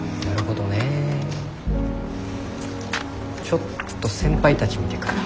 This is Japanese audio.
ちょっと先輩たち見てくるわ。